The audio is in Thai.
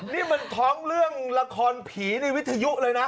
นี่มันท้องเรื่องละครผีในวิทยุเลยนะ